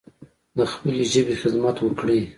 د خپلې ژبې خدمت وکړﺉ